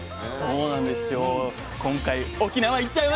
そうなんですよ。